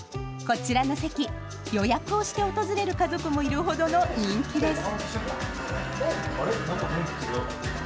こちらの席、予約をして訪れる家族もいるほどの人気です。